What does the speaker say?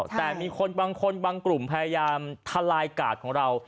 แต่มีคนบางคนบางกลุ่มพยายามทลายกาดของเรา